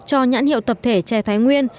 cho nhãn hiệu tập thể chè thái nguyên